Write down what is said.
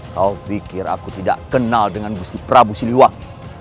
kau pikir aku tidak kenal dengan gusti prabu siliwang